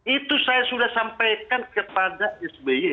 itu saya sudah sampaikan kepada sby